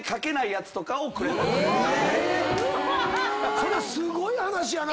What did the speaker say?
それすごい話やな！